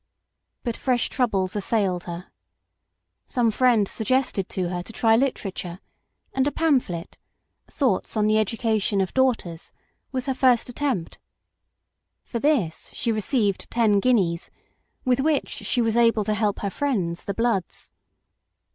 But fresh troubles assailed her. Some friend suggested to her to try literature, and a pamphlet, Thoughts on the Education of Daughters, was her first attempt. For this she received ten guineas, with which she was able to help her friends the Bloods.